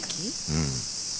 うん。